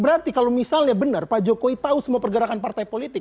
berarti kalau misalnya benar pak jokowi tahu semua pergerakan partai politik